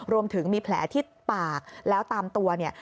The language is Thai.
รวมถึงมีแผลที่ปากแล้วตามตัวเนี่ย